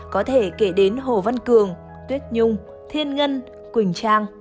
có thể kể đến hồ văn cường tuyết nhung thiên ngân quỳnh trang